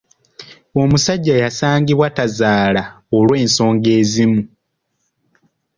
Omusajja yasangibwa tazaala olw'ensonga ezimu.